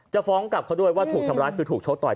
ฟ้องกลับเขาด้วยว่าถูกทำร้ายคือถูกชกต่อย